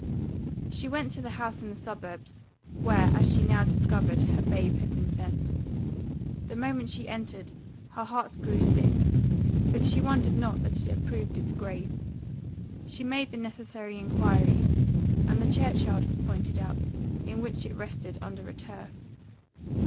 She went to the house in the suburbs, where, as she now discovered, her babe had been sent. The moment she entered, her heart grew sick; but she wondered not that it had proved its grave. She made the necessary enquiries, and the church yard was pointed out, in which it rested under a turf.